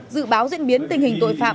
dự báo diễn biến tình hình tội phạm